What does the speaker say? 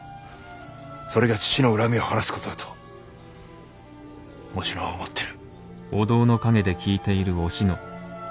それが父の恨みを晴らす事だとおしのは思ってる。